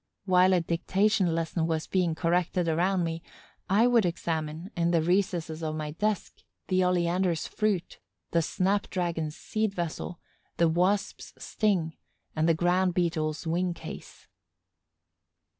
While a dictation lesson was being corrected around me, I would examine, in the recesses of my desk, the oleander's fruit, the snap dragon's seed vessel, the Wasp's sting and the Ground beetle's wing case.